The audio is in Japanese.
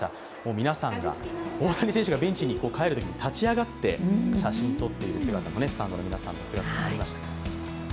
皆さんが大谷選手がベンチに帰るときにも立ち上がって、写真を撮っているスタンドの皆さんの姿もありました。